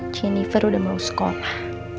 jennifer udah mau sekolah